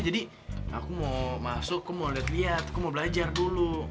jadi aku mau masuk aku mau liat liat aku mau belajar dulu